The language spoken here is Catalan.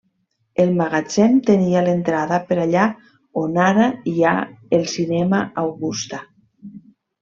El magatzem tenia l'entrada per allà on ara hi ha el cinema Augusta.